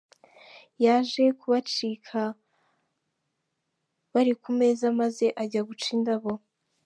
Yaje kubacika bari ku meza maze ajya guca indabo.